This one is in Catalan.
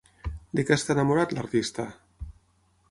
De què està enamorat l'artista?